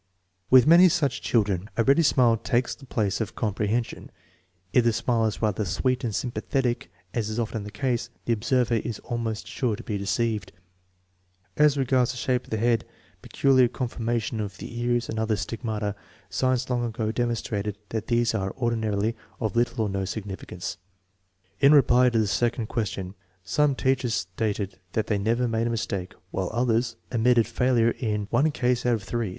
With many such children n ready smile takes the place of comprehension. If the smile is rather sweet and sympathetic, as is often the case, the observer is almost sure to be deceived* As regards the shape of the head, peculiar conformation of the oars, and other " stigmata/' science long ago demon strated that these are ordinarily of little or no significance. In reply to the second question, some teachers stated that they never made a mistake, while others admitted failure in one case out of three.